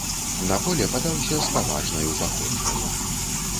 На поле падаўся спаважнаю паходкаю.